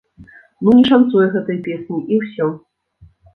Ну не шанцуе гэтай песні, і ўсё!